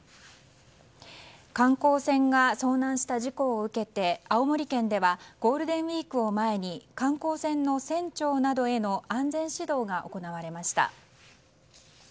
観光船が遭難した事故を受けて青森県ではゴールデンウィークを前に観光船の船長などへの安全指導が行われました。